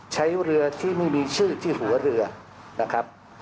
ใช้เรือที่ไม่มีชื่อที่หัวเรือนะครับ